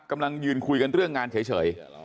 กำลังยืนคุยกันเรื่องงานเฉย